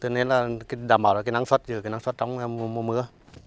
nên là đảm bảo là cái năng suất cái năng suất trong mùa mưa